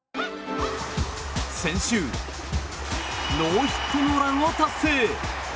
先週ノーヒットノーランを達成。